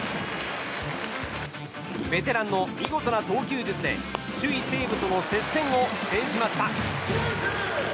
ベテランの見事な投球術で首位西武との接戦を制しました。